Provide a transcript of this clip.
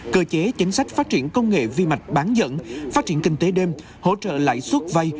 cơ chế chính sách phát triển công nghệ vi mạch bán dẫn phát triển kinh tế đêm hỗ trợ lãi suất vay